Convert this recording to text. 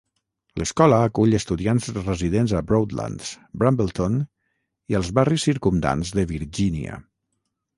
L'escola acull estudiants residents a Broadlands, Brambleton i als barris circumdants de Virgínia.